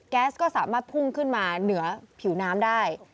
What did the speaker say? แก๊สก็สามารถพุ่งขึ้นมาเหนือผิวน้ำได้